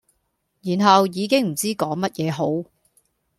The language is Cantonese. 然後已經唔知講乜嘢好